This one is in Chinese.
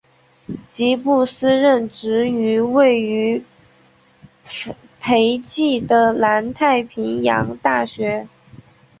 吉布斯任职于位于斐济的南太平洋大学。